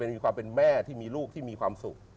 มีความเป็นแม่ที่มีลูกที่มีความสุข